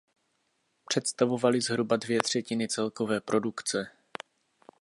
Představovaly zhruba dvě třetiny celkové produkce.